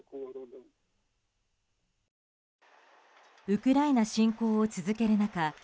ウクライナ侵攻を続ける中